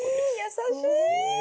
優しい！